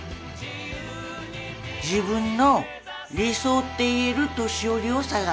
自分の理想っていえる年寄りを探す